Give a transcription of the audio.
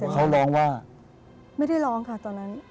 เขาร้องว่าไม่ได้ร้องค่ะตอนนั้น